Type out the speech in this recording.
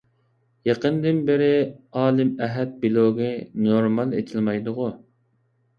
يېقىندىن بېرى ئالىم ئەھەت بىلوگى نورمال ئېچىلمايدىغۇ؟